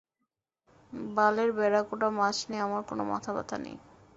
বালের ব্যারাকুডা মাছ নিয়ে আমার কোন মাথাব্যথা নেই।